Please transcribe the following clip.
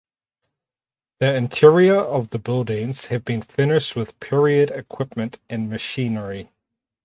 The interior of the buildings have been furnished with period equipment and machinery.